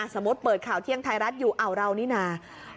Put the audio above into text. เปิดข่าวเที่ยงไทยรัฐอยู่อ้าวเรานี่นา